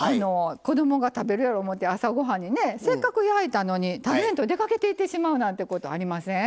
子どもが食べるやろ思って朝ごはんにせっかく焼いたのに食べんと出かけていってしまうなんてことありません？